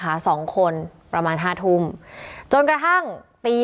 กระท่อมอยู่ด้วยกันในบ้านนะคะสองคนประมาณห้าทุ่มจนกระทั่งตี